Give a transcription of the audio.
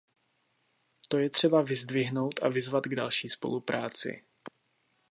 To je třeba vyzdvihnout a vyzvat k další spolupráci.